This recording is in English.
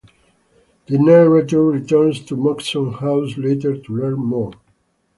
The narrator returns to Moxon's house later to learn more.